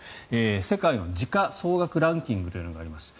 世界の時価総額ランキングというのがあります。